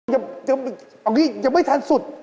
อย่าอย่าไปทันสุด